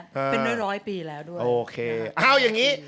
เป็นร้อยร้อยปีแล้วด้วยโอเคเอาอย่างงี้